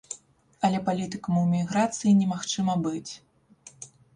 Але палітыкам у эміграцыі немагчыма быць.